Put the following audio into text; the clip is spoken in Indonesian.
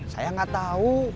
saya nggak tahu